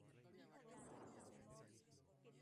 Bolívar alista la cuarta temporada de El capo.